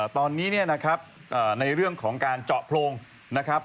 ตอนนี้เนี่ยนะครับในเรื่องของการเจาะโพรงนะครับ